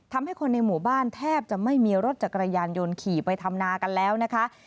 ทำให้คนในหมู่บ้านแทบจะไม่มีรถจักรยานยนต์ขี่ไปทำนากันแล้วนะคะ